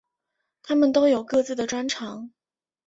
他们都有各自的专长。